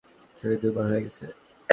শরীর দুর্বল হয়ে গেছে।